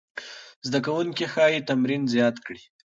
زده کوونکي ښايي تمرین زیات کړي.